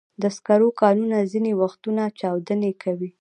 د سکرو کانونه ځینې وختونه چاودنې کوي.